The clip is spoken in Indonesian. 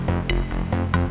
dia dibantu sama boy